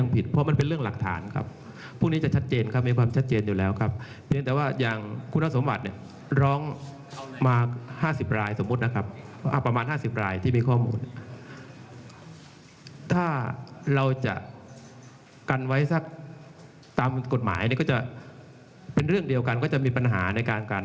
เป็นเรื่องเดียวกันก็จะมีปัญหาในการกัน